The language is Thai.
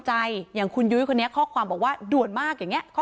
อย่างคุณยุ้ยคนนี้ข้อความบอกว่าด่วนมากอย่างนี้ข้อ